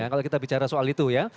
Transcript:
kalau kita bicara soal itu ya